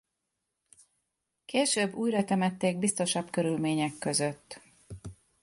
Később újratemették biztosabb körülmények között.